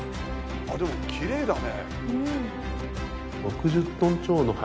あでもきれいだね！